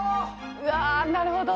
うわーなるほど。